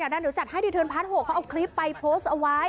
ดังนั้นเดี๋ยวจัดให้รีเทิร์นพาร์ท๖เขาเอาคลิปไปโพสต์เอาไว้